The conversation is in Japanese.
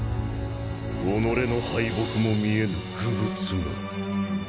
己の敗北も見えぬ愚物が。